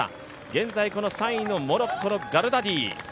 現在この３位のモロッコのガルダディ。